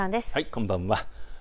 こんばんは。